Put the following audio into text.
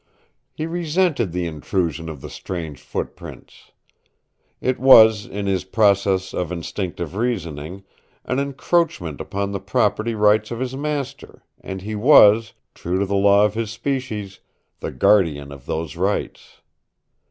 He resented the intrusion of the strange footprints. It was, in his process of instinctive reasoning, an encroachment upon the property rights of his master, and he was true to the law of his species the guardian of those rights.